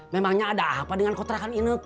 memangnya ada apa dengan kontra kan ini kek